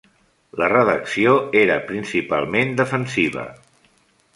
La redacció era principalment defensiva.